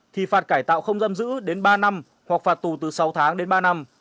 thì phạt cải tạo không giam giữ đến ba năm hoặc phạt tù từ sáu tháng đến ba năm